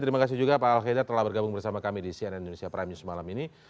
terima kasih juga pak al khaida telah bergabung bersama kami di cnn indonesia prime news malam ini